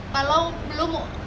kalau belum kasus ini terungkap